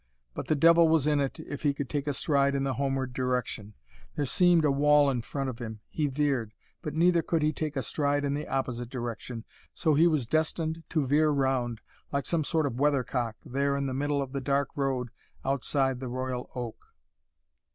But the devil was in it, if he could take a stride in the homeward direction. There seemed a wall in front of him. He veered. But neither could he take a stride in the opposite direction. So he was destined to veer round, like some sort of weather cock, there in the middle of the dark road outside the "Royal Oak."